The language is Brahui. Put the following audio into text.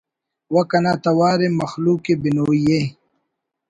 و کنا توار ءِ مخلوق ءِ بنوئی ءِ